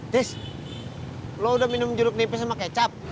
this lo udah minum jeruk nipis sama kecap